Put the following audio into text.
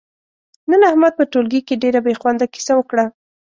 نن احمد په ټولگي کې ډېره بې خونده کیسه وکړه،